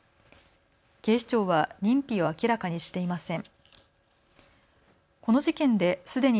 警視庁は認否を明らかにしていません。